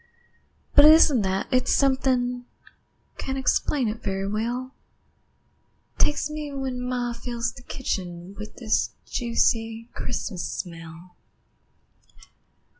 But it isn't that, it's something Can't explain it very well Takes me when ma fills the kitchen With this juicy Christmas smell.